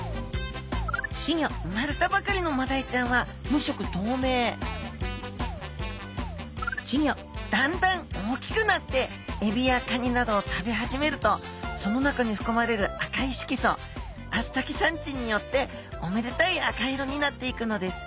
生まれたばかりのマダイちゃんは無色とうめいだんだん大きくなってエビやカニなどを食べ始めるとその中にふくまれる赤い色素アスタキサンチンによっておめでたい赤色になっていくのです。